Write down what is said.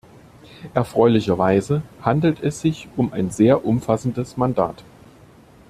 Erfreulicherweise handelt es sich um ein sehr umfassendes Mandat.